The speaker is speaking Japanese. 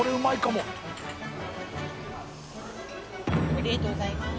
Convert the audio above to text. ありがとうございます。